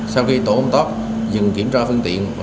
sau khi tổ công tác dừng kiểm tra phương tiện